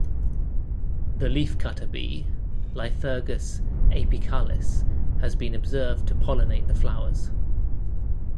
The leafcutter bee "Lithurgus apicalis" has been observed to pollinate the flowers.